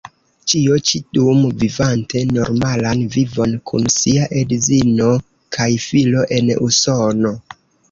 Ĉio ĉi dum vivante normalan vivon kun sia edzino kaj filo en Usono.